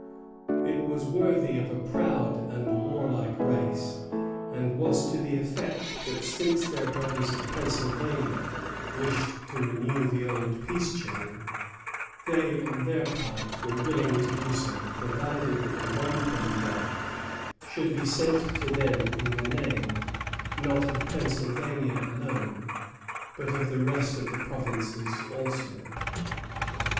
It was worthy of a proud and warlike race, and was to the effect that since their brothers of Pennsylvania wished to renew the old peace chain, they on their part were willing to do so, provided that the wampum belt should be sent them in the name, not of Pennsylvania alone, but of the rest of the provinces also.